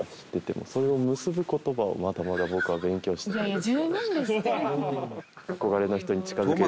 いやいや十分ですって。